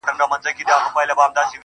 فقير نه يمه سوالگر دي اموخته کړم.